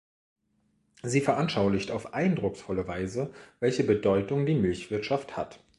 Sie veranschaulicht auf eindrucksvolle Weise, welche Bedeutung die Milchwirtschaft hat.